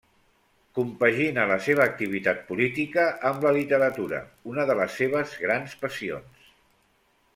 Compagina la seva activitat política amb la literatura, una de les seves grans passions.